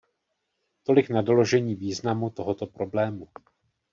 Tolik na doložení významu tohoto problému.